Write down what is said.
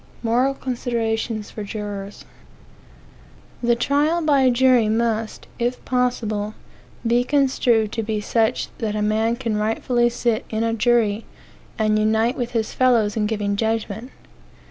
MORAL CONSIDERATIONS FOR JURORS THE trial by jury must, if possible, be construed to be such that a man can rightfully sit in a jury, and unite with his fellows in giving judgment.